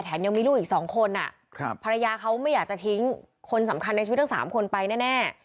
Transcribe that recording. ยังมีลูกอีก๒คนภรรยาเขาไม่อยากจะทิ้งคนสำคัญในชีวิตทั้ง๓คนไปแน่